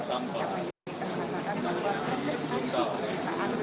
sementara saat tadi